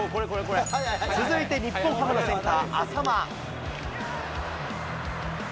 続いて、日本ハムのセンター、淺間。